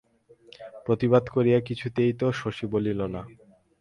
প্রতিবাদ করিয়া কিছুই তো শশী বলিল না।